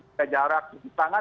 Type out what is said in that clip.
jika jarak cuci tangan